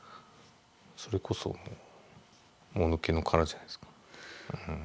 それこそもぬけの殻じゃないですか。